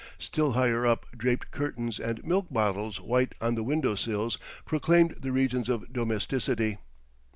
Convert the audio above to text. Still higher up draped curtains and milk bottles white on the window sills proclaimed the regions of domesticity.